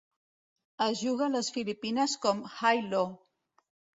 Es juga a les Filipines com hi-lo.